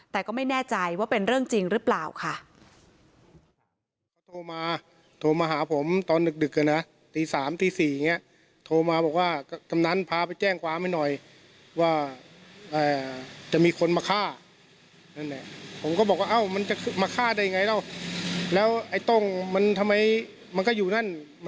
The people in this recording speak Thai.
แต่ก็ไม่แน่ใจว่าเป็นเรื่องจริงหรือเปล่าค่ะ